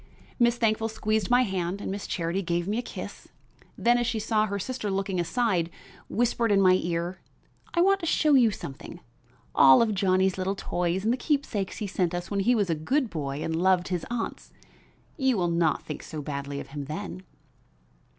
Miss Thankful squeezed my hand and Miss Charity gave me a kiss; then as she saw her sister looking aside, whispered in my ear "I want to show you something, all of Johnnie's little toys and the keepsakes he sent us when he was a good boy and loved his aunts. You will not think so badly of him then."